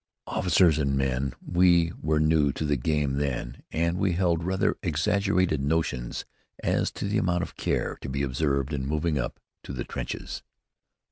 Officers and men, we were new to the game then, and we held rather exaggerated notions as to the amount of care to be observed in moving up to the trenches.